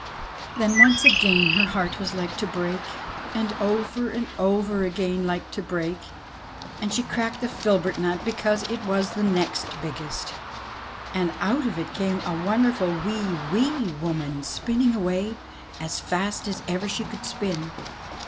Then once again her heart was like to break, and over and over again like to break, and she cracked the filbert nut, because it was the next biggest. And out of it came a wonder ful, wee, wee woman spinning away as fast as ever she could spin.